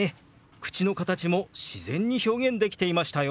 口の形も自然に表現できていましたよ！